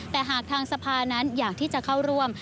แต่หากทางสภานั้นอยากที่จะเข้าร่วม